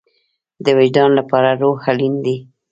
د وجدان لپاره روح اړین دی